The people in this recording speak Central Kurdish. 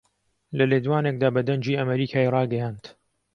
لە لێدوانێکدا بە دەنگی ئەمەریکای ڕاگەیاند